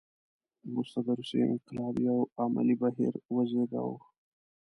وروسته د روسیې انقلاب یو عملي بهیر وزېږاوه.